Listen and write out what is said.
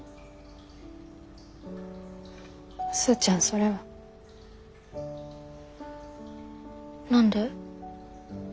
スーちゃんそれは。何で？